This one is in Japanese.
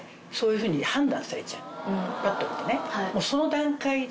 ぱっと見てね。